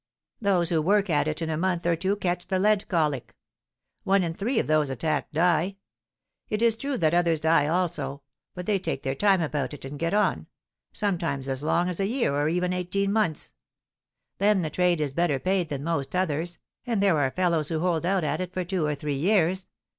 Those who work at it in a month or two catch the lead colic. One in three of those attacked die. It is true that others die also; but they take their time about it and get on, sometimes as long as a year or even eighteen months. Then the trade is better paid than most others, and there are fellows who hold out at it for two or three years.